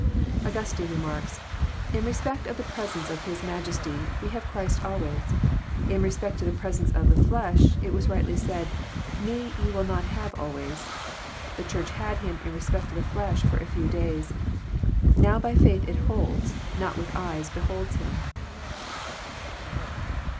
Angnstine remarks: '*In respect of the presence of His Majesty, we have Christ always ; in respect to the presence of the flesh, it was rightly said, 'Me ye will not have always.* The Church had Him in respect of the fiesh for a few days; now by faith it holds, not with eyes beholds Him."